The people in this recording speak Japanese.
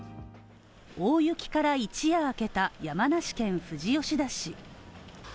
大雪から一夜明けた山梨県富士吉田市。